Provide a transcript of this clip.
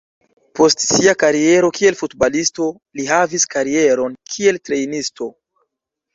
Post sia kariero kiel futbalisto, li havis karieron kiel trejnisto.